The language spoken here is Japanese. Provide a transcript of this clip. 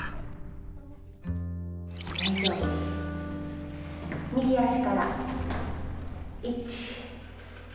大丈夫右足から１。